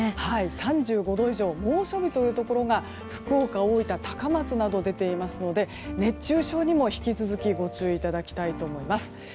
３５度以上猛暑日というところが福岡、大分、高松など出ていますので熱中症にも引き続きご注意いただきたいと思います。